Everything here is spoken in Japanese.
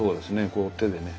こう手でね。